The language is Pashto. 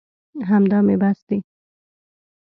همدا مې بس دي.